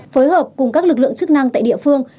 phối hợp cùng các lực lượng chức năng tại địa phương